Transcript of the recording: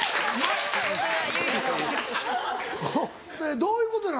どういうことなの？